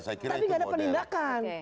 tapi gak ada pendidakan